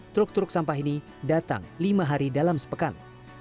truk truk sampah ini datang lima hari dalam sepekan